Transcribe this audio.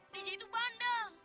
ndeja itu bandel